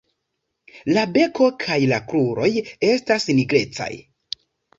La beko kaj la kruroj estas nigrecaj.